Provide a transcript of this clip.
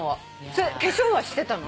それ化粧はしてたの？